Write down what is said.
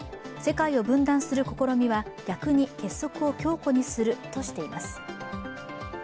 世界を分断する試みは逆に結束を強固にするとしています。